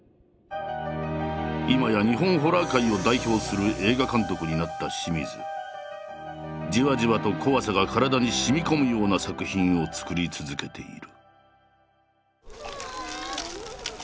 今や日本ホラー界を代表するじわじわと怖さが体にしみこむような作品を作り続けている。